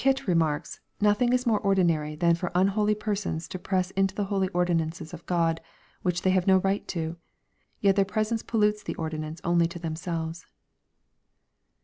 Burkitt remarks, "Nothing is more ordinary than for unholy persons to press into tlie holy ordinances of Grod, which they "have no right to. Yet their presence pollutes the ordinance only to themselves."